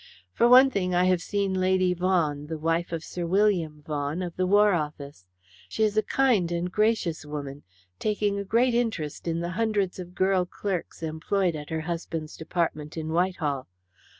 For one thing, I have seen Lady Vaughan, the wife of Sir William Vaughan, of the War Office. She is a kind and gracious woman, taking a great interest in the hundreds of girl clerks employed at her husband's department in Whitehall.